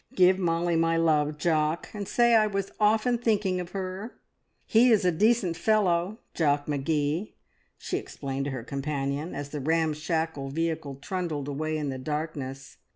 Give Molly my love, Jock, and say I was often thinking of her. He is a decent fellow, Jock Magee!" she explained to her companion, as the ramshackle vehicle trundled away in the darkness.